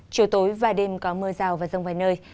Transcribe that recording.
chiều tối và đêm có mưa rào và rông vài nơi